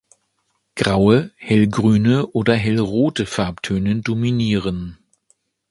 Graue, hellgrüne oder hellrote Farbtöne dominieren.